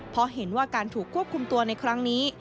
เพราะเห็นว่าการถูกควบคุมตัวในครั้งนี้